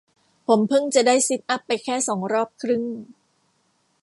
ผมเพิ่งจะได้ซิทอัพไปแค่สองรอบครึ่ง